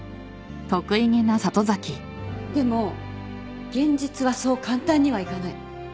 でも現実はそう簡単にはいかない。